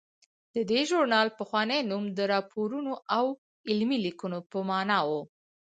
د دې ژورنال پخوانی نوم د راپورونو او علمي لیکنو په مانا و.